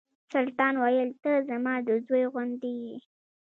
سلطان ویل ته زما د زوی غوندې یې.